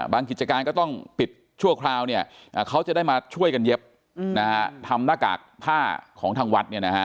กิจการก็ต้องปิดชั่วคราวเนี่ยเขาจะได้มาช่วยกันเย็บทำหน้ากากผ้าของทางวัด